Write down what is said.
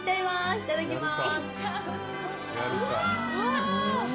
いただきます！